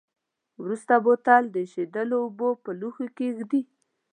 وروسته بوتل د ایشېدلو اوبو په لوښي کې کیږدئ.